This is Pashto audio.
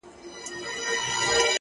چي مو وركړي ستا د سترگو سېپارو ته زړونه.